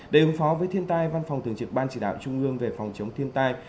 để ứng phó với thiên tai văn phòng thường trực ban chỉ đạo trung ương về phòng chống thiên tai